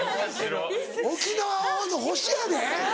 沖縄の星やで。